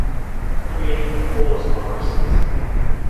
Preanal pores are absent.